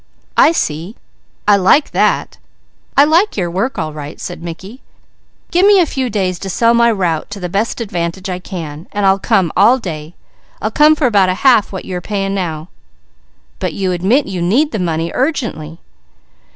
"I see! I like that! I like your work all right," said Mickey. "Gimme a few days to sell my route to the best advantage I can, and I'll come all day. I'll come for about a half what you are paying now." "But you admit you need money urgently."